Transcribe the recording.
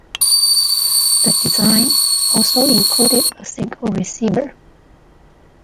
The design also included a single receiver.